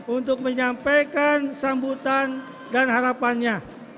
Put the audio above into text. untuk menyampaikan sambutan dan harapannya